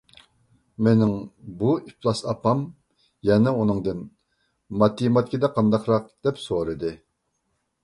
مېنىڭ بۇ ئىپلاس ئاپام يەنە ئۇنىڭدىن «ماتېماتىكىدا قانداقراق؟ » دەپ سورىدى.